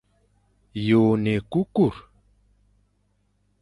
Yô e ne ékukur.